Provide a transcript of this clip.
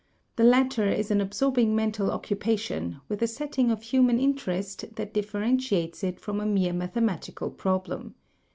The latter is an absorbing mental occupation, with a setting of human interest that differ entiates it from a mere mathematical problem.